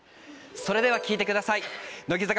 それでは聴いてください。